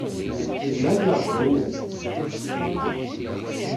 Yezmer ad yaṛǧu imensi.